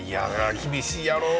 厳しいやろう？